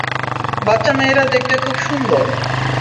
বাচ্চা মেয়েরা দেখতে খুব সুন্দর।